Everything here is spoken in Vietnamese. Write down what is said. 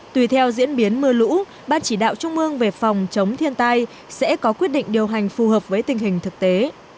tùy theo diễn biến mưa lũ ban chỉ đạo trung ương về phòng chống thiên tai sẽ có quyết định điều hành phù hợp với tình hình thực tế